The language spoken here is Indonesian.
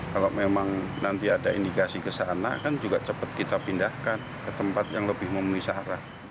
kalau memang nanti ada indikasi kesana kan juga cepat kita pindahkan ke tempat yang lebih memisahkan